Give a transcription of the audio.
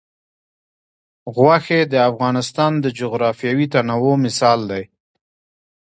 غوښې د افغانستان د جغرافیوي تنوع مثال دی.